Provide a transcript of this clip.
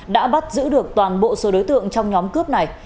đã bắt giữ được toàn bộ số đối tượng trong nhóm cướp này